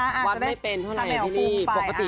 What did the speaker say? วัดไม่เป็นเท่าไรอะพี่หลี